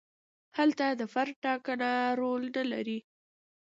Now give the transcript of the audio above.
هلته د فرد ټاکنه رول نه لري.